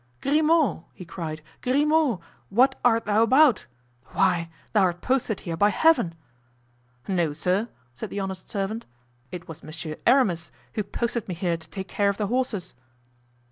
"Grimaud!" he cried; "Grimaud! what art thou about? Why, thou art posted here by Heaven!" "No, sir," said the honest servant, "it was Monsieur Aramis who posted me here to take care of the horses."